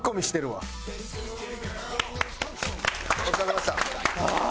お疲れさまでした。